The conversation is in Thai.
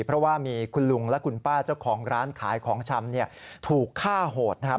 เพราะว่ามีคุณลุงและคุณป้าเจ้าของร้านขายของชำถูกฆ่าโหดนะครับ